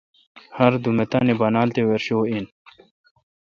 ہردوم اے،° تانی بانال تے ورشو این۔